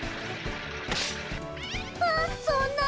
あっそんな！